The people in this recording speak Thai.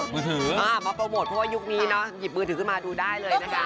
มาโปรโมทเพราะว่ายุคนี้เนอะหยิบมือถือขึ้นมาดูได้เลยนะคะ